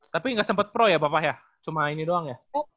tapi gak sempet pro ya papa ya cuma ini doang ya